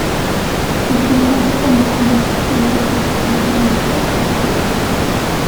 Det skulle kanske komma att byggas stora hus eller granna skepp av dem.